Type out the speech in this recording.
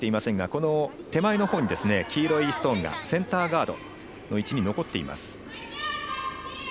手前のほうに黄色いストーンがセンターガードの位置に残っています。